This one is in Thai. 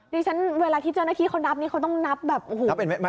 ดิฉันเวลาที่เจ้าหน้าที่เขานับนี่เขาต้องนับแบบโอ้โห